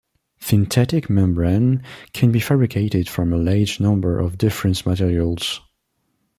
Synthetic membrane can be fabricated from a large number of different materials.